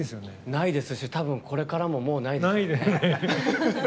ないですし多分これからも、もうないですね。